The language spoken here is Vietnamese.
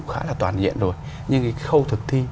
khá là toàn diện rồi nhưng cái khâu thực thi